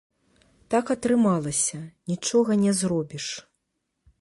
Так атрымалася, нічога не зробіш.